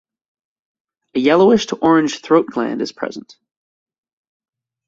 A yellowish to orange throat gland is present.